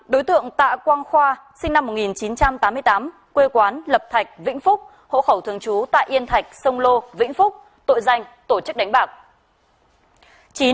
đối tượng tạ quang khoa sinh năm một nghìn chín trăm tám mươi tám quê quán lập thạch vĩnh phúc hộ khẩu thường trú tại yên thạch sông lô vĩnh phúc tội danh tổ chức đánh bạc